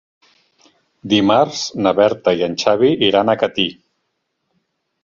Dimarts na Berta i en Xavi iran a Catí.